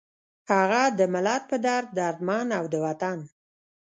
هغه د ملت پۀ دړد دردمند، او د وطن